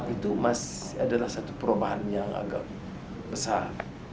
itu adalah satu perubahan yang agak besar